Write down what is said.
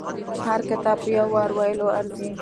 هر کتاب په يو وار ویلو ارزي.